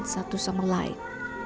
satu sama lain